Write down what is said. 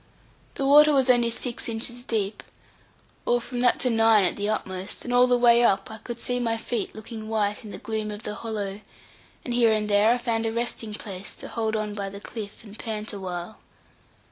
The water was only six inches deep, or from that to nine at the utmost, and all the way up I could see my feet looking white in the gloom of the hollow, and here and there I found resting place, to hold on by the cliff and pant awhile.